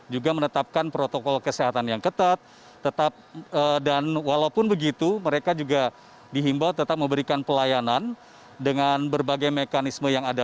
juga menetapkan protokol kesehatan yang ketat dan walaupun begitu mereka juga dihimbau tetap memberikan pelayanan dengan berbagai mekanisme yang ada